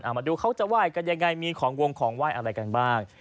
มาดูเขาจะไหว้กันยังไงมีของวงของไหว้อะไรกันบ้าง